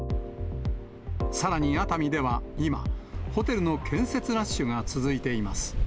さらに熱海では今、ホテルの建設ラッシュが続いています。